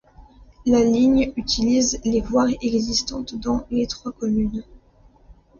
La ligne utilise les voiries existantes dans les trois communes.